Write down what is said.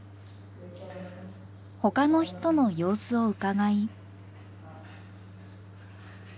ほかの人の様子をうかがい。